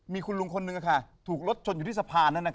มีคุณลุงคนหนึ่งถูกรถชนอยู่ที่สะพาน